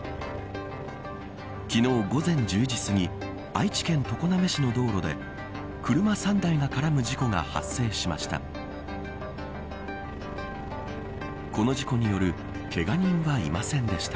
昨日、午前１０時すぎ愛知県常滑市の道路で車３台が絡む事故が発生しました。